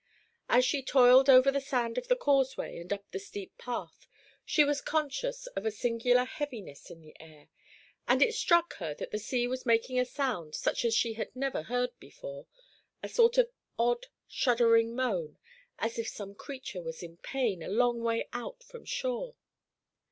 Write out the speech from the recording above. As she toiled over the sand of the causeway and up the steep path, she was conscious of a singular heaviness in the air, and it struck her that the sea was making a sound such as she had never heard before, a sort of odd shuddering moan, as if some great creature was in pain a long way out from shore.